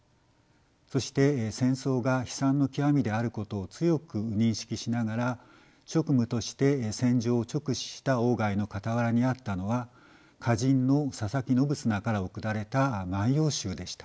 そして戦争が悲惨の極みであることを強く認識しながら職務として戦場を直視した外の傍らにあったのは歌人の佐佐木信綱から贈られた「万葉集」でした。